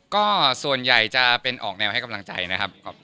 ก็ส่วนใหญ่จะเป็นออกแนวให้กำลังใจนะครับ